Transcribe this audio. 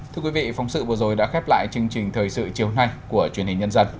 thưa quý vị phóng sự vừa rồi đã khép lại chương trình thời sự chiều nay của truyền hình nhân dân